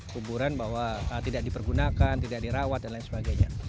kuburan bahwa tidak dipergunakan tidak dirawat dan lain sebagainya